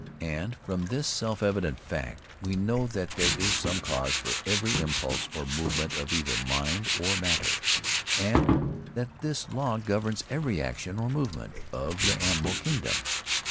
And from this self evident fact we know that there is some cause for every impulse or movement of either mind or matter, and that this law governs every action or movement of the animal kingdom.